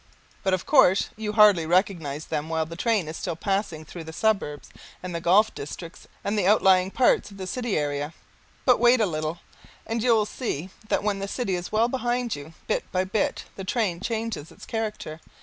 But of course you hardly recognize them while the train is still passing through the suburbs and the golf district and the outlying parts of the city area. But wait a little, and you will see that when the city is well behind you, bit by bit the train changes its character.